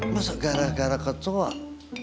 masa gara gara kecoh